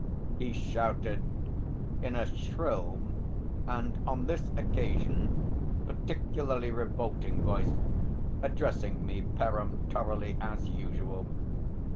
he shouted, in a shrill and on this occasion particularly revolting voice, addressing me peremptorily as usual.